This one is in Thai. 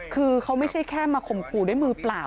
คือเขาไม่ใช่แค่มาข่มขู่ด้วยมือเปล่า